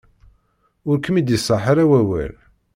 Ur kem-id-iṣaḥ ara wawal.